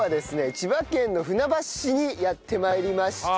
千葉県の船橋市にやって参りました。